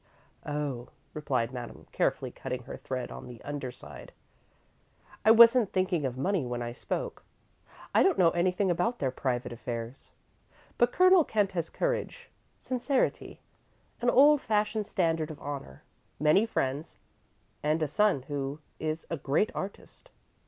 "Oh," replied Madame, carefully cutting her thread on the underside, "I wasn't thinking of money when I spoke. I don't know anything about their private affairs. But Colonel Kent has courage, sincerity, an old fashioned standard of honour, many friends, and a son who is a great artist."